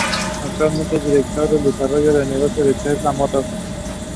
The division also carries out Materiel Resources Inspection.